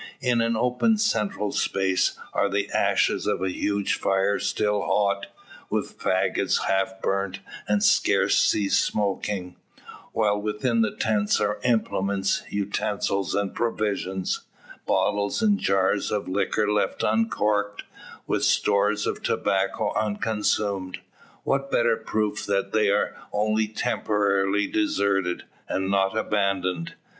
In an open central space, are the ashes of a huge fire still hot, with fagots half burnt, and scarce ceased smoking; while within the tents are implements, utensils, and provisions bottles and jars of liquor left uncorked, with stores of tobacco unconsumed. What better proof that they are only temporarily deserted, and not abandoned?